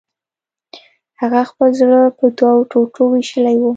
هغه خپل زړه په دوو ټوټو ویشلی و